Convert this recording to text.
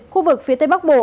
khu vực phía tây bắc bộ